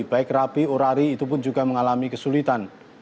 baik rapi orari itu pun juga mengalami kesulitan